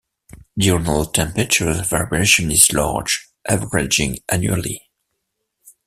Diurnal temperature variation is large, averaging annually.